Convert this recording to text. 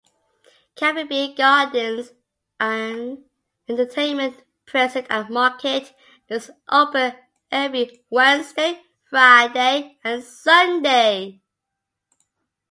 Caribbean Gardens, an entertainment precinct and market, is open every Wednesday, Friday and Sunday.